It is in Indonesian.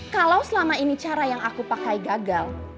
kalau selama ini cara yang aku pakai gagal